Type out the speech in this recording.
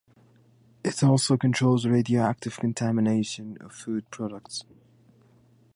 It also controls radioactive contamination of food products.